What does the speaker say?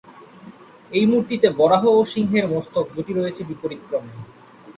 এই মূর্তিতে বরাহ ও সিংহের মস্তক দু’টি রয়েছে বিপরীত ক্রমে।